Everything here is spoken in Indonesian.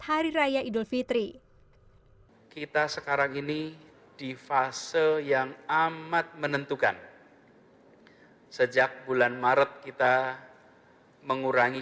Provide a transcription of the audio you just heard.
hari raya idul fitri kita sekarang ini di fase yang amat menentukan sejak bulan maret kita mengurangi